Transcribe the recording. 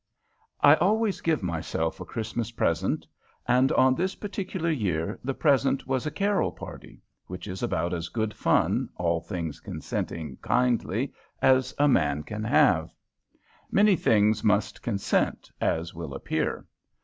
I always give myself a Christmas present. And on this particular year the present was a Carol party, which is about as good fun, all things consenting kindly, as a man can have. Many things must consent, as will appear.